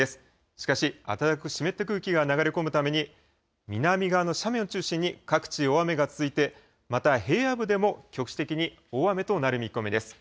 しかし、暖かく湿った空気が流れ込むために、南側の斜面を中心に、各地で大雨が続いて、また平野部でも局地的に大雨となる見込みです。